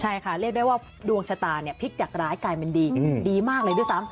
ใช่ค่ะเรียกได้ว่าดวงชะตาเนี่ยพลิกจากร้ายกลายเป็นดีดีมากเลยด้วยซ้ำ